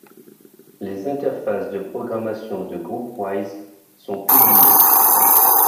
Les interfaces de programmation de GroupWise sont publiées.